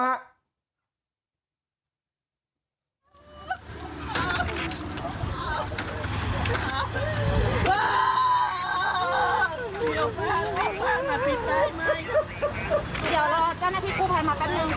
ออกมาออกมามาพิกได้ไหมเดี๋ยวเราเจ้านักพิกกุภัยมากันหนึ่ง